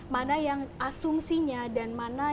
mana yang asumsinya dan mana